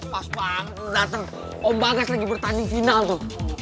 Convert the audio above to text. pas dateng om bangas lagi bertanding final tuh